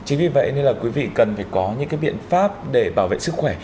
chính vì vậy nên là quý vị cần phải có những cái biện pháp để bảo vệ sức khỏe